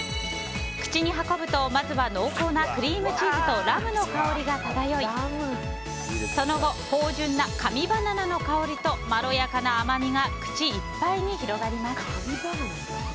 口に運ぶと、まずは濃厚なクリームチーズとラムの香りが漂いその後、芳醇な神バナナの香りとまろやかな甘みが口いっぱいに広がります。